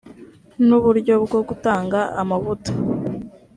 n uburyo bwo gutanga amavuta